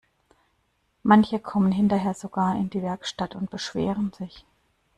Manche kommen hinterher sogar in die Werkstatt und beschweren sich.